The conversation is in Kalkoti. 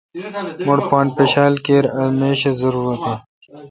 مٹھ پان پشال اے°کیر اہ میش۔ اے ضرورت این۔